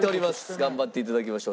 頑張って頂きましょう。